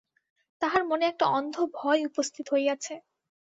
তাঁহার মনে একটা অন্ধ ভয় উপস্থিত হইয়াছে।